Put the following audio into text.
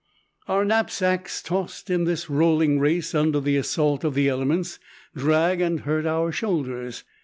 Our knapsacks, tossed in this rolling race under the assault of the elements, drag and hurt our shoulders.